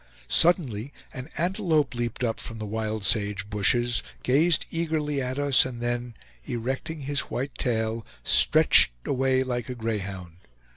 Suddenly an antelope leaped up from the wild sage bushes, gazed eagerly at us, and then, erecting his white tail, stretched away like a greyhound.